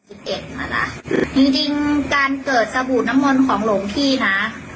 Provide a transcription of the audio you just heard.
จริงจริงการเกิดสบู่น้ำมนต์ของหลวงพี่นะ